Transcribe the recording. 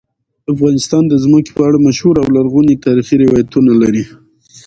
افغانستان د ځمکه په اړه مشهور او لرغوني تاریخی روایتونه لري.